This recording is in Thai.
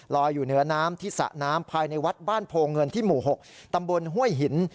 อยู่เหนือน้ำที่สระน้ำภายในวัดบ้านโพเงินที่หมู่๖ตำบลห้วยหิน